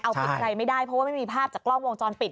เอาผิดอะไรไม่ได้เพราะว่าไม่มีภาพจากกล้องวงจรปิด